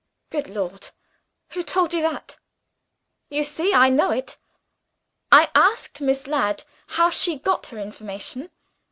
"Good Lord! who told you that?" "You see I know it. I asked Miss Ladd how she got her information.